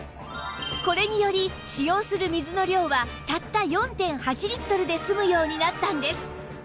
これにより使用する水の量はたった ４．８ リットルで済むようになったんです